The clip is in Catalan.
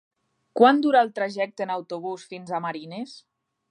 Quant dura el trajecte en autobús fins a Marines?